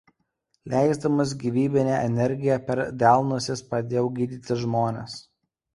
Leisdamas gyvybinę energiją per delnus jis pradėjo gydyti žmones.